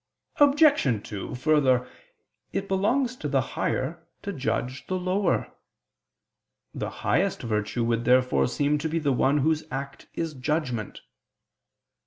Obj. 2: Further, it belongs to the higher to judge the lower. The highest virtue would therefore seem to be the one whose act is judgment.